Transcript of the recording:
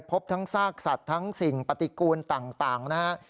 พบทั้งซากสัตว์ทั้งสิ่งปฏิกูลต่างนะฮะ